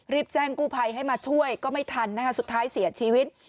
แจ้งกู้ภัยให้มาช่วยก็ไม่ทันนะคะสุดท้ายเสียชีวิต